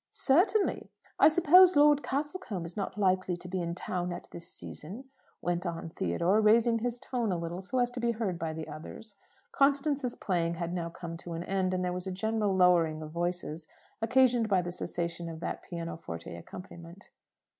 "Certainly. I suppose Lord Castlecombe is not likely to be in town at this season?" went on Theodore, raising his tone a little so as to be heard by the others. Constance's playing had now come to an end, and there was a general lowering of voices, occasioned by the cessation of that pianoforte accompaniment.